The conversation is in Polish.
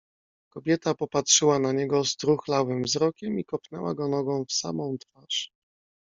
"Kobieta popatrzyła na niego struchlałym wzrokiem i kopnęła go nogą w samą twarz."